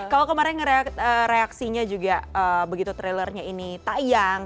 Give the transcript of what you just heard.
kalau kemarin reaksinya juga begitu trailernya ini tayang